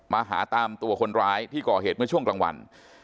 มาหาตามตัวคนร้ายที่ก่อเหตุเมื่อช่วงกลางวัน